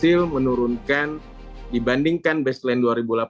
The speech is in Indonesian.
tim pelaksana rencana aksi nasional penanganan sampah laut nofri zaltahar menegaskan